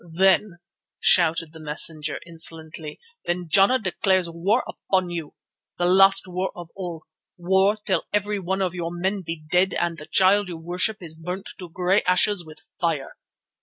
"Then," shouted the messenger insolently, "then Jana declares war upon you, the last war of all, war till every one of your men be dead and the Child you worship is burnt to grey ashes with fire.